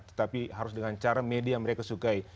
tetapi harus dengan cara media yang mereka sukai